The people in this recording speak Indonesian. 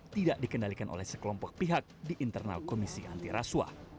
tidak dikendalikan oleh sekelompok pihak di internal komisi antiraswa